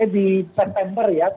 di september ya